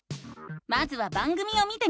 まずは番組を見てみよう！